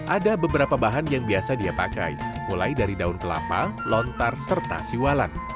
ada beberapa bahan yang biasa dia pakai mulai dari daun kelapa lontar serta siwalan